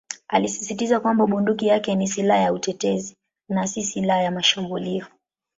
Alisisitiza kwamba bunduki yake ni "silaha ya utetezi" na "si silaha ya mashambulio".